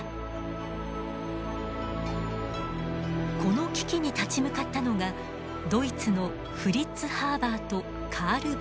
この危機に立ち向かったのがドイツのフリッツ・ハーバーとカール・ボッシュです。